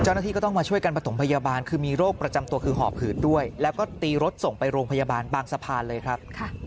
เจ้าหน้าที่ก็ต้องมาช่วยกันประถมพยาบาลคือมีโรคประจำตัวคือหอบหืดด้วยแล้วก็ตีรถส่งไปโรงพยาบาลบางสะพานเลยครับ